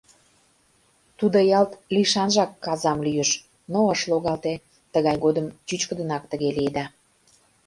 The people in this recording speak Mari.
Тудо ялт лишанжак казам лӱйыш, но ыш логалте — тыгай годым чӱчкыдынак тыге лиеда.